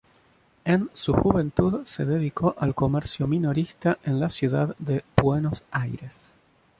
En su juventud se dedicó al comercio minorista en la ciudad de Buenos Aires.